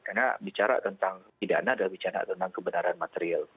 karena bicara tentang pidana dan bicara tentang kebenaran material